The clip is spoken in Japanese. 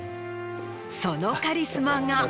そのカリスマが。